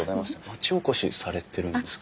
町おこしされてるんですか？